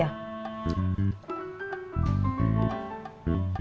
mau cobain gak